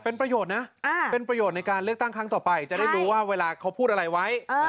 เป็นประโยชน์นะเป็นประโยชน์ในการเลือกตั้งครั้งต่อไปจะได้รู้ว่าเวลาเขาพูดอะไรไว้